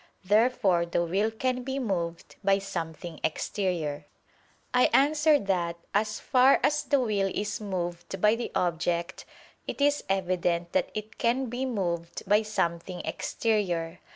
Therefore the will can be moved by something exterior. I answer that, As far as the will is moved by the object, it is evident that it can be moved by something exterior.